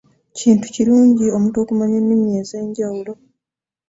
Kintu kirungi omuntu okumanya ennimi ez'enjawulo.